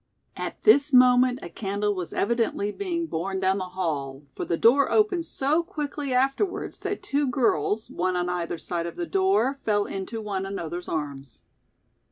At this moment a candle was evidently being borne down the hall, for the door opened so quickly afterwards that two girls, one on either side the door, fell into, one another's arms.